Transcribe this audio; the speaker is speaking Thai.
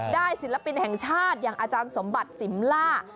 ศิลปินแห่งชาติอย่างอาจารย์สมบัติสิมล่า